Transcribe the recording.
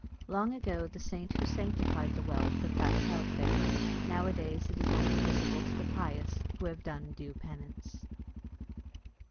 Long ago, the saint who sanctified the well put that trout there. Nowadays it is only visible to the pious, who have done due penance.